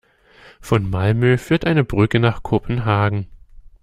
Von Malmö führt eine Brücke nach Kopenhagen.